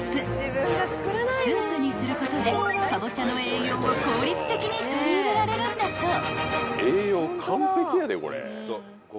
［スープにすることでカボチャの栄養を効率的に取り入れられるんだそう］